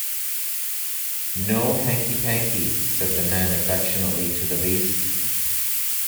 “No hanky-panky,” said the man affectionately to the beast.